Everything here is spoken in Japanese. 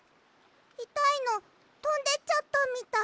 いたいのとんでっちゃったみたい。